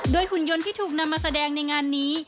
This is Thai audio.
หุ่นยนต์ที่ถูกนำมาแสดงในงานนี้